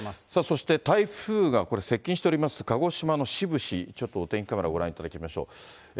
そして台風が、これ、接近しております、鹿児島の志布志、ちょっとお天気カメラご覧いただきましょう。